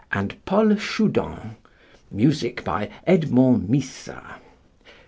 and Paul Choudens, music by +Edmond Missa+.